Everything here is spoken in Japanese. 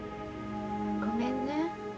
ごめんね。